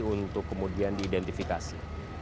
untuk kemudian diidentifikasi